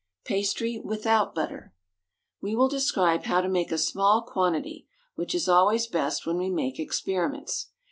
PASTRY WITHOUT BUTTER. We will describe how to make a small quantity, which is always best when we make experiments.